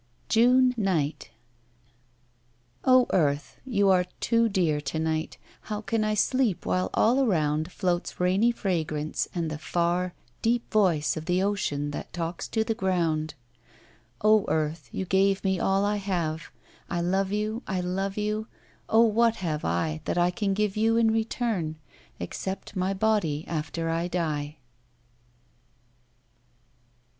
June Night Oh Earth, you are too dear to night, How can I sleep while all around Floats rainy fragrance and the far Deep voice of the ocean that talks to the ground? Oh Earth, you gave me all I have, I love you, I love you, oh what have I That I can give you in return Except my body after I die?